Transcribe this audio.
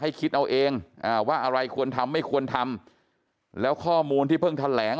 คิดเอาเองว่าอะไรควรทำไม่ควรทำแล้วข้อมูลที่เพิ่งแถลง